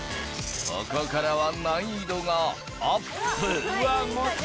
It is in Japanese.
ここからは難易度がアップ